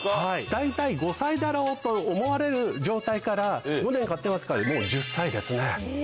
大体５歳だろうと思われる状態から５年飼ってますからもう１０歳ですね。